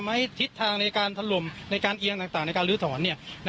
ทิศทางในการถล่มในการเอียงต่างในการลื้อถอน